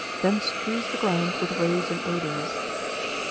_then strews the ground With rose and odours.